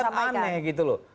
itu kan aneh gitu loh